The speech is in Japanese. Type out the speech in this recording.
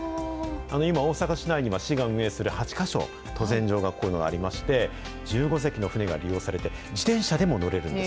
今、大阪市内には市が運営する８か所、渡船場がここにはありまして、１５隻の船が利用されて、自転車でも乗れるんです。